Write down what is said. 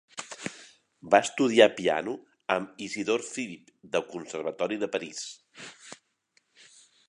Va estudiar piano amb Isidor Philipp, del Conservatori de París.